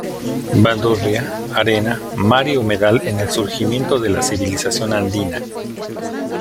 Bandurria: Arena, Mar y Humedal en el Surgimiento de la Civilización Andina.